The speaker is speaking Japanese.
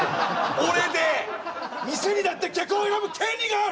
俺で店にだって客を選ぶ権利がある！